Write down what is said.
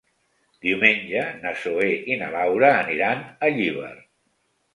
Diumenge na Zoè i na Laura aniran a Llíber.